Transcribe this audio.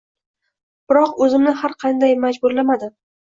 Biroq o’zimni har qancha majburlamadim.